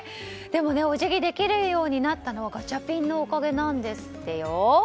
でも、お辞儀できるようになったのはガチャピンのおかげなんですってよ。